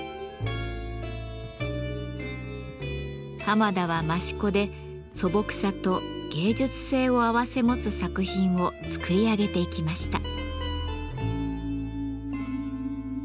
濱田は益子で素朴さと芸術性を併せ持つ作品を作り上げていきました。